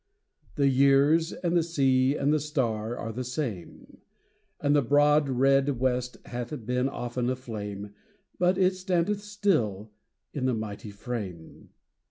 The years and the sea and the star are the same, And the broad, red west hath been often aflame, But it standeth still in the mighty frame.